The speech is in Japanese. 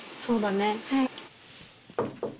そうだね。